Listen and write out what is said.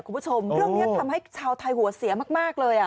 คุณผู้ชมเรื่องนี้ทำให้ชาวไทยหัวเสียมากเลย